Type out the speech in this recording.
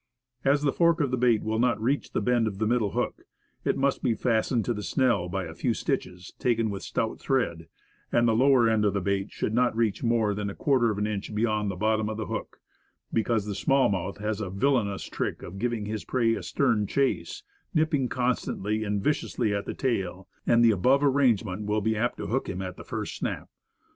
As the fork of the bait will not reach the bend of the middle hook, it must be fastened to the snell by a few stitches taken with stout thread, and the lower end of the bait should not reach more than a quarter of an inch beyond the bottom of the hook, because the small mouth has a villainous trick of giving his prey a stern chase, nipping constantly and viciously at the tail, and the above arrangement will be apt to hook him at the first snap.